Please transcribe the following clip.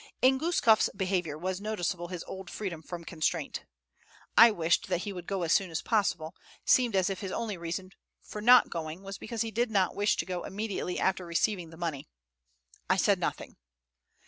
In Guskof's behavior was noticeable his old freedom from constraint. I wished that he would go as soon as possible; it seemed as if his only reason for not going was because he did not wish to go immediately after receiving the money. I said nothing.